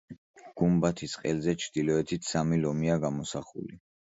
გუმბათის ყელზე, ჩრდილოეთით, სამი ლომია გამოსახული.